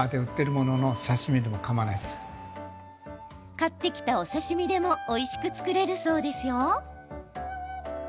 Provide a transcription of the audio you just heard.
買ってきたお刺身でもおいしく作れるそうですよ。